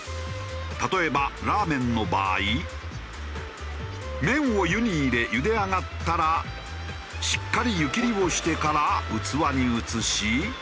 例えばラーメンの場合麺を湯に入れゆで上がったらしっかり湯切りをしてから器に移し